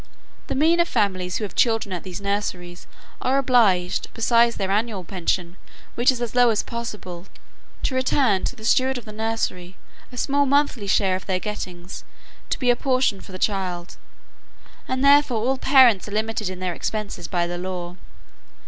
The meaner families who have children at these nurseries, are obliged, besides their annual pension, which is as low as possible, to return to the steward of the nursery a small monthly share of their gettings, to be a portion for the child; and therefore all parents are limited in their expenses by the law.